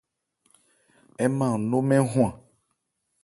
Ń ma an nó mɛ́n hwan.